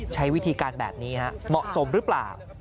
ใช้วิธีการแบบนี้เหมาะสมหรือเปล่า